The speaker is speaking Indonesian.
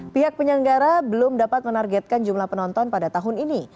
pihak penyelenggara belum dapat menargetkan jumlah penonton pada tahun ini